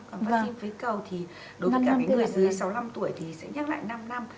còn vaccine phế cầu thì đối với cả người dưới sáu mươi năm tuổi thì sẽ nhắc lại năm năm